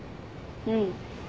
うん。